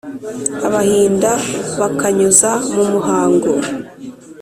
abahinda ba kanyuza mu muhango